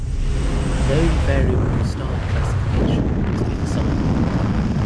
No variable star classification has been assigned.